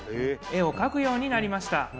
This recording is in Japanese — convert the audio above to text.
絵を描くようになりました